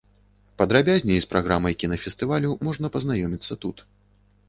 Падрабязней з праграмай кінафестывалю можна пазнаёміцца тут.